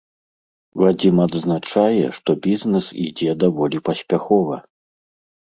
Вадзім адзначае, што бізнэс ідзе даволі паспяхова.